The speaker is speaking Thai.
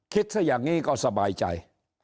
คิดซะอย่างนี้ก็สบายใจ